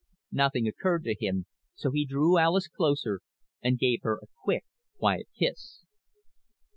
Nothing occurred to him, so he drew Alis closer and gave her a quick, quiet kiss.